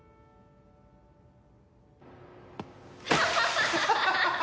ハハハハハ！